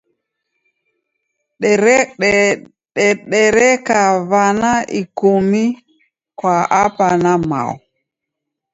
Dereka w'ana ikumi kwa Aba na Mao.